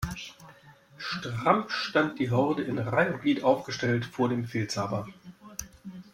Stramm stand die Horde in Reih' und Glied aufgestellt vor dem Befehlshaber.